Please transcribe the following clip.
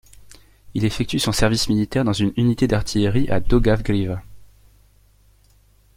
Il effectue son service militaire dans une unité d'artillerie à Daugavgrīva.